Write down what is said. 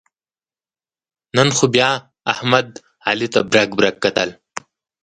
نن خو بیا احمد علي ته برگ برگ کتل.